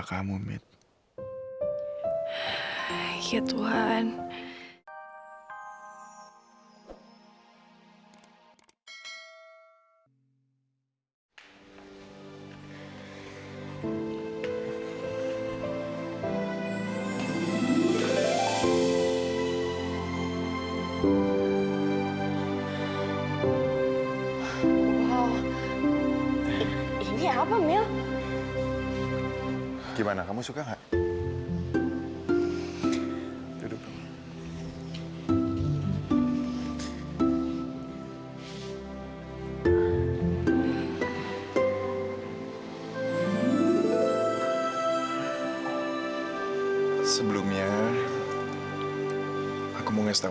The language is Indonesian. sampai jumpa di video selanjutnya